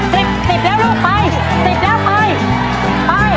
สิบสิบแล้วลูกไปสิบแล้วไปไป